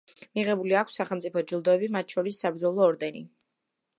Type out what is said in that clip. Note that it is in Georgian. მიღებული აქვს სახელმწიფო ჯილდოები, მათ შორის საბრძოლო ორდენი.